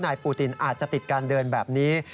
ปูตินอาจจะติดการเดินแบบนี้